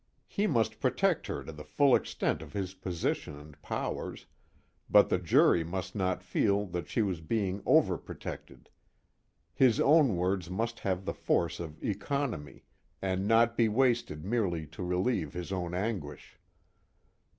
He must protect her to the full extent of his position and powers, but the jury must not feel that she was being overprotected. His own words must have the force of economy, and not be wasted merely to relieve his own anguish.